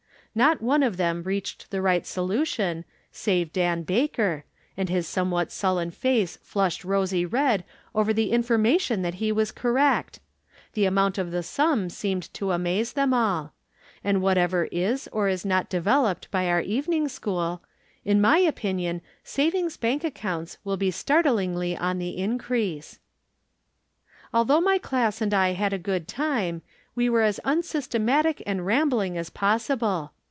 Not one of them reached the right From Different Standpoints, 153 solufion save Dan Baker, and his somewhat sul len face flushed rosy red over the information that he was correct. The amount of the sum seemed to amaze them all. And whatever is or is not developed by our evening school, in my opinion savings bank accounts wiU be startlingly on the increase. Although my class and I had a good time, we were as unsystematic and rambling as possible.